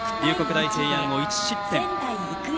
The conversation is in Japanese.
大平安を１失点。